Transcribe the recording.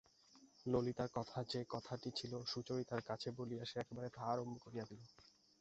ললিতার মনে যে কথাটা ছিল সুচরিতার কাছে বসিয়া সে একেবারেই তাহা আরম্ভ করিয়া দিল।